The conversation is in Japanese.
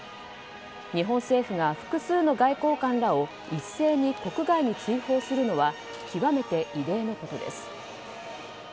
日本政府が複数の外交官らを一斉に国外に追放するのは極めて異例のことです。